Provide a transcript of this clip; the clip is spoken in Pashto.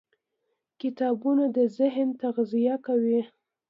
کتابونه د ذهن تغذیه کوي.